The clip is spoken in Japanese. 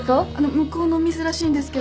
向こうのミスらしいんですけど。